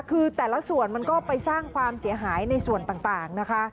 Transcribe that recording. คือแต่ละส่วนมันก็ไปสร้างความเสียหายในส่วนต่างนะคะ